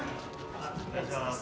・あっお願いします。